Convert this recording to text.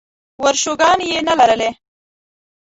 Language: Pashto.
ورشوګانې یې نه لرلې.